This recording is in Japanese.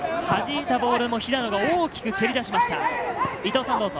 はじいたボールも肥田野が大きく蹴り出しました。